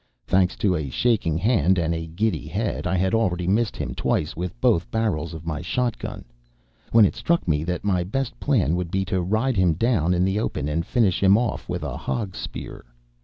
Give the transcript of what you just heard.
Thanks to a shaking hand and a giddy head I had already missed him twice with both barrels of my shot gun, when it struck me that my best plan would be to ride him down in the open and finish him off with a hog spear.